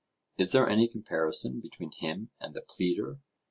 Is there any comparison between him and the pleader?